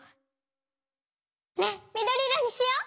ねっみどりいろにしよう！